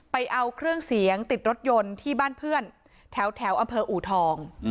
ไปเอาเครื่องเสียงติดรถยนต์ที่บ้านเพื่อนแถวอำเภออูทอง